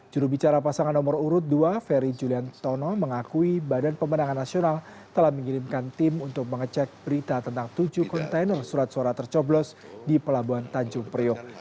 jurubicara pasangan nomor urut dua ferry juliantono mengakui badan pemenangan nasional telah mengirimkan tim untuk mengecek berita tentang tujuh kontainer surat suara tercoblos di pelabuhan tanjung priok